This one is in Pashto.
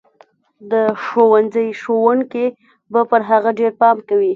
د ښوونځي ښوونکي به پر هغه ډېر پام کوي.